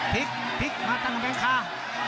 พลิกพลิกมาตั้งกำแพงคา